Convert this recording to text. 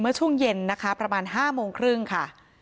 ช่วงเย็นนะคะประมาณ๕โมงครึ่งค่ะ